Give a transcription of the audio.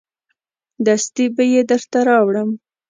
دستي به یې درته راوړم.